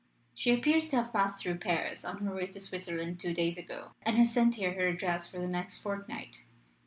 "She appears to have passed through Paris on her way to Switzerland two days ago, and has sent here her address for the next fortnight.